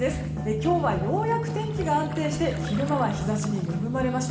今日はようやく天気が安定して昼間は日差しに恵まれました。